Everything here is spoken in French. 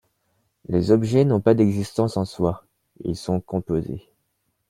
Les objets n'ont pas d'existence en soi, ils sont composés.